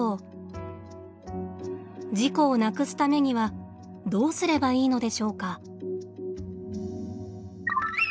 事故をなくすためにはどうすればいいのでしょうか。